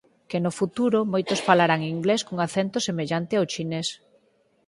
Que no futuro moitos falarán inglés cun acento semellante ao chinés.